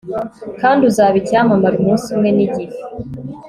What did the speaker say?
kandi uzaba icyamamare umunsi umwe nigihe